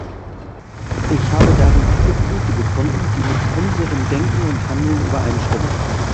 Ich habe darin viele Punkte gefunden, die mit unserem Denken und Handeln übereinstimmen.